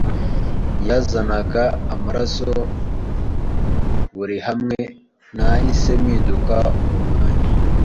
yazanaga amaraso buri hamwe nahise mpinduka uwo mwanya